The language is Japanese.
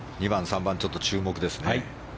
２番、３番、注目ですね。